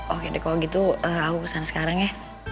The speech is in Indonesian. oke deh kalau gitu aku kesana sekarang ya